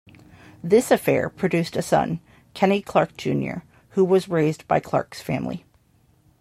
This affair produced a son, Kenny Clarke Jr, who was raised by Clarke's family.